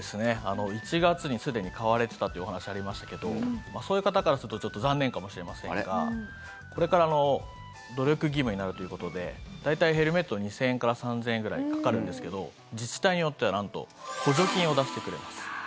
１月にすでに買われてたというお話ありましたけどそういう方からするとちょっと残念かもしれませんがこれから努力義務になるということで大体ヘルメット、２０００円から３０００円ぐらいかかるんですが自治体によってはなんと補助金を出してくれます。